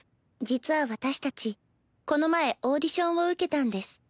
実は私たちこの前オーディションを受けたんです。